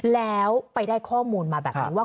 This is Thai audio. แล้วไปได้ข้อมูลมาแบบนี้ว่า